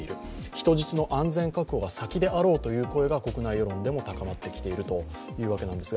人質の安全確保が先であろうとの声が国内世論でも高まってきています。